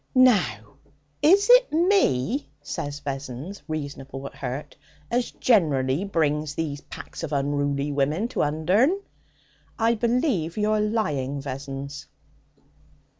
'Now, is it me,' said Vessons, reasonable but hurt, 'as generally brings these packs of unruly women to Undern?' 'I believe you're lying, Vessons.'